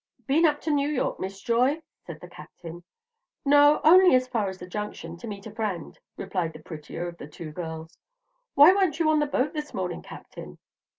"Been up to New York, Miss Joy?" said the Captain. "No; only as far as the Junction, to meet a friend," replied the prettier of the two girls. "Why weren't you on the boat this morning, Captain?"